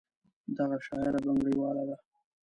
دغه شاعره بنګړیواله ده.